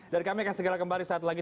dan kami akan segera kembali saat lagi